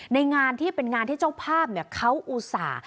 ในงานที่เป็นงานที่เจ้าภาพเขาอุตส่าห์